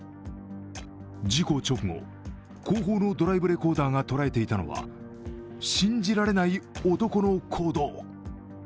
事故直後、後方のドライブレコーダーが捉えていたのは信じられない男の行動。